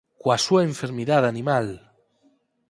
coa súa enfermidade, animal!